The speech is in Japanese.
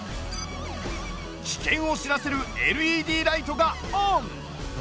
危険を知らせるＬＥＤライトがオン！